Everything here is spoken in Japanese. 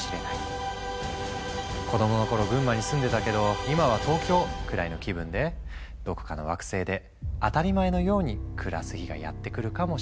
「子供の頃群馬に住んでたけど今は東京」くらいの気分でどこかの惑星で当たり前のように暮らす日がやって来るかもしれないね。